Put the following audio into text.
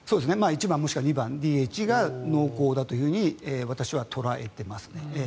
１番または２番ＤＨが濃厚だと私は捉えていますね。